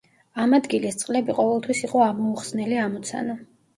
ამ ადგილის წყლები ყოველთვის იყო ამოუხსნელი ამოცანა.